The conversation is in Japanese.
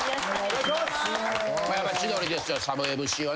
やっぱ千鳥ですよサブＭＣはね。